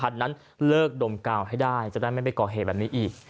ตัวในน